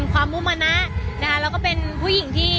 ความมุมมะนะและเป็นผู้หญิงที่